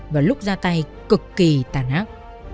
và lúc ra tay cực kỳ tàn ác